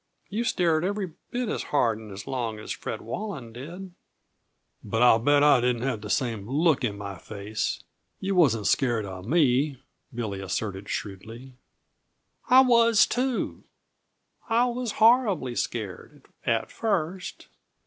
You stared every bit as hard and long as Fred Walland did." "But I'll bet I didn't have the same look in my face. Yuh wasn't scared of me," Billy asserted shrewdly. "I was too! I was horribly scared at first.